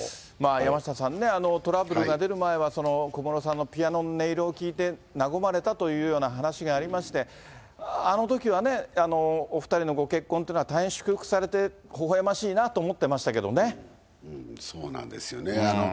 山下さんね、トラブルが出る前は、小室さんのピアノの音色を聴いて、和まれたというような話がありまして、あのときはね、お２人のご結婚というのは大変祝福されて、ほほえましいなと思っそうなんですよね。